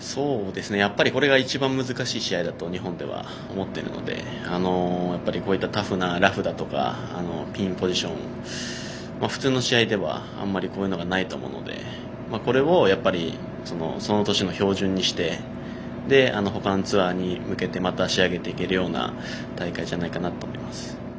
これが一番難しい試合だと日本では思っているのでこういったタフなラフとかピンポジションを普通の試合ではあまりこういうのはないと思うのでこれをその年の標準にして他のツアーに向けてまた仕上げていけるような大会じゃないかなと思います。